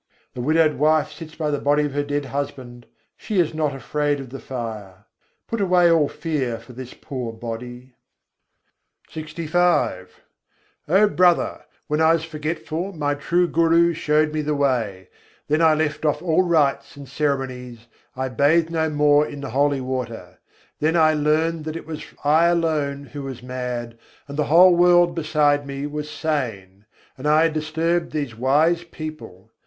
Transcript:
The widowed wife sits by the body of her dead husband: she is not afraid of the fire. Put away all fear for this poor body. LXV I. 22. jab main bhûlâ, re bhâî O brother! when I was forgetful, my true Guru showed me the Way. Then I left off all rites and ceremonies, I bathed no more in the holy water: Then I learned that it was I alone who was mad, and the whole world beside me was sane; and I had disturbed these wise people.